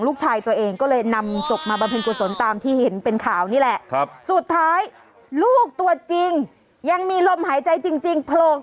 ดิฉันเองกินเพิ่มลมหนังหมุนในช่วงที่มีน้อง